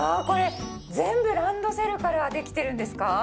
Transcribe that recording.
これ全部ランドセルからできてるんですか？